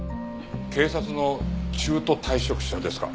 警察の中途退職者ですか？